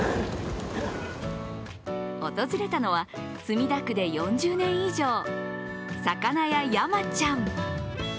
訪れたのは、墨田区で４０年以上魚屋山ちゃん。